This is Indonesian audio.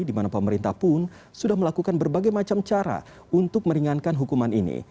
di mana pemerintah pun sudah melakukan berbagai macam cara untuk meringankan hukuman ini